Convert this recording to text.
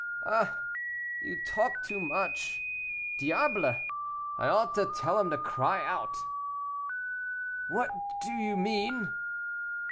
"Ah! you talk too much. Diable! I ought to tell him to cry out." "What do you mean?"